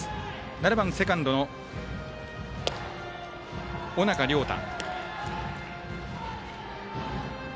７番、セカンドの尾中亮太。